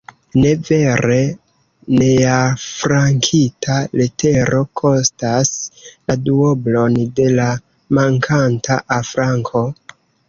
Ne vere, neafrankita letero kostas la duoblon de la mankanta afranko?